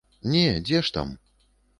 Не, дзе ж там!